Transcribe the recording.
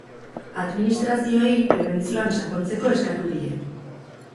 Administrazioei prebentzioan sakontzeko eskatu die.